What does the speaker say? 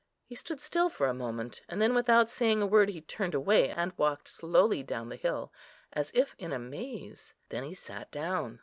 He stood still for a moment, and then, without saying a word, he turned away, and walked slowly down the hill, as if in a maze. Then he sat down....